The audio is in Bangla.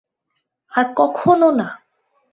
আর কখনোও না।